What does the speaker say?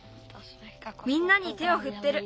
みんなに手をふってる。